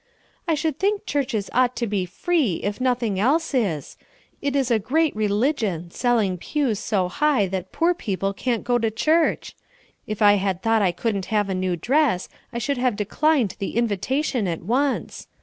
"I should think churches ought to be free, if nothing else is. It is a great religion, selling pews so high that poor people can't go to church. If I had thought I couldn't have a new dress I should have declined the invitation at once.